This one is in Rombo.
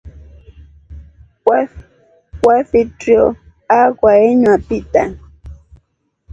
Vafitrio akwa eywa peter.